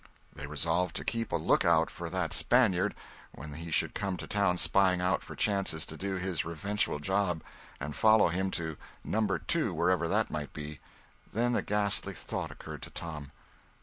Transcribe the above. They resolved to keep a lookout for that Spaniard when he should come to town spying out for chances to do his revengeful job, and follow him to "Number Two," wherever that might be. Then a ghastly thought occurred to Tom.